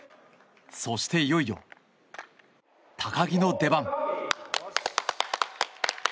そして、いよいよ高木の出番。